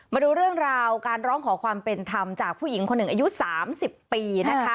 มาดูเรื่องราวการร้องขอความเป็นธรรมจากผู้หญิงคนหนึ่งอายุ๓๐ปีนะคะ